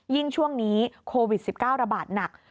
ช่วงนี้โควิด๑๙ระบาดหนัก